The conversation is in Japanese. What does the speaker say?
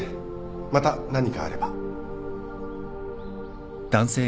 また何かあれば。